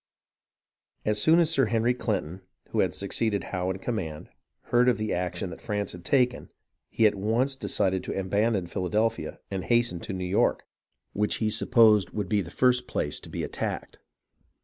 As soon as Sir Henry Clinton, who had succeeded Howe in command, heard of the action that France had taken, he at once decided to abandon Philadelphia and hasten to New York, which he supposed would be the first place to 230 HISTORY OF THE AMERICAN REVOLUTION be attacked.